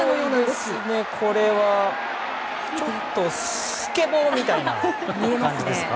すごいですね、これは！ちょっとスケボーみたいな感じですか。